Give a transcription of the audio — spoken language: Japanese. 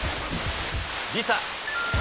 ＬｉＳＡ。